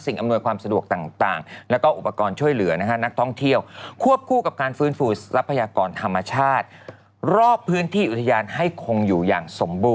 สิ่งอำนวยความสะดวกต่าง